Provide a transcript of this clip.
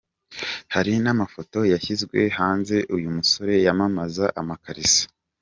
Hari n’amafoto yashyizwe hanze uyu musore yamamaza amakariso.